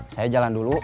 saya jalan dulu